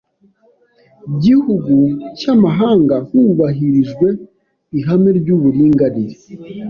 Gihugu cy’amahanga hubahirijwe ihame ry’uburinganire